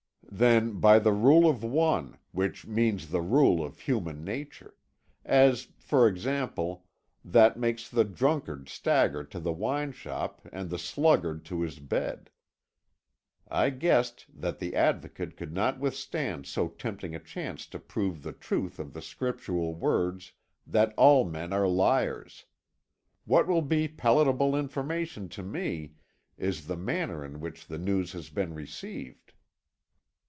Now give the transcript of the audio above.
"Then by the Rule of One, which means the rule of human nature as, for example, that makes the drunkard stagger to the wine shop and the sluggard to his bed I guessed that the Advocate could not withstand so tempting a chance to prove the truth of the scriptural words that all men are liars. What will be palatable information to me is the manner in which the news has been received."